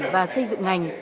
và xây dựng ngành